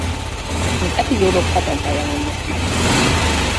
Az epizódok hetente jelennek meg.